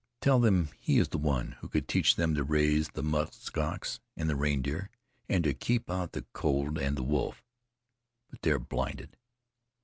Tell them he is the one who could teach them to raise the musk oxen and the reindeer, and to keep out the cold and the wolf. But they are blinded.